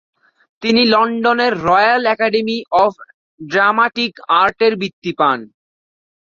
তিনি লন্ডনের royal academy of dramatic আর্টের বৃত্তি পান।